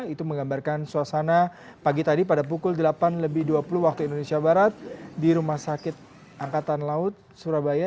itu menggambarkan suasana pagi tadi pada pukul delapan lebih dua puluh waktu indonesia barat di rumah sakit angkatan laut surabaya